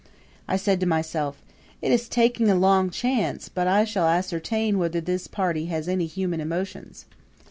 I said to myself: "It is taking a long chance, but I shall ascertain whether this party has any human emotions."